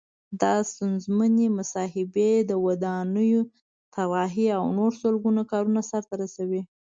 دا ستونزمنې محاسبې، د ودانیو طراحي او نور سلګونه کارونه سرته رسوي.